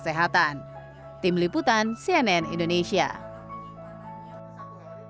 sekitar tiga puluh delapan tenaga medis dan tenaga kesehatan